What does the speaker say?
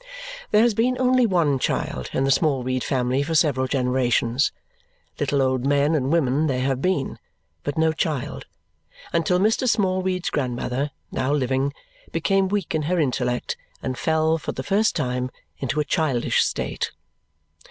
There has been only one child in the Smallweed family for several generations. Little old men and women there have been, but no child, until Mr. Smallweed's grandmother, now living, became weak in her intellect and fell (for the first time) into a childish state.